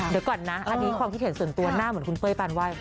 เดี๋ยวก่อนนะอันนี้ความคิดเห็นส่วนตัวหน้าเหมือนคุณเป้ยปานไห้